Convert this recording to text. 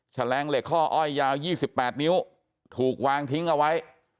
แลงเหล็กข้ออ้อยยาว๒๘นิ้วถูกวางทิ้งเอาไว้